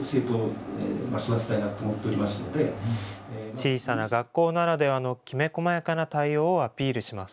小さな学校ならではのきめ細やかな対応をアピールします。